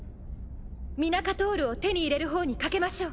ミナカトールを手に入れるほうに賭けましょう。